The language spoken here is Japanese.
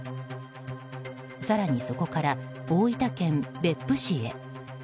更にそこから大分県別府市へ。